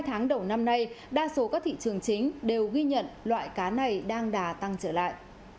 chín tháng đầu năm nay đa số các thị trường chính đều ghi nhận loại cá này đang đà tăng trở lại